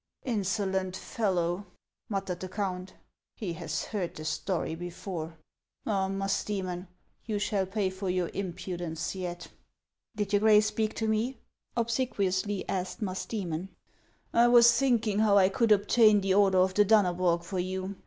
" Insolent fellow !" muttered the count, " he has heard the story before. Ah, Musdoemon, you shall pay for your impudence yet." " Did your Grace speak to me ?" obsequiously asked Musdcemon. " I was thinking how I could obtain the Order of the Dannebrog for you.